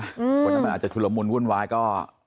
เพราะฉะนั้นมันอาจจะชุลมุนวุ่นวายก็